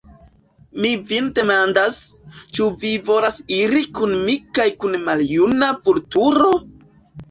Mi vin demandas, ĉu vi volas iri kun mi kaj kun maljuna Vulturo?